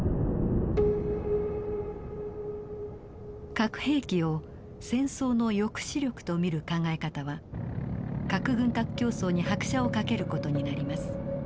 核兵器を戦争の抑止力と見る考え方は核軍拡競争に拍車をかける事になります。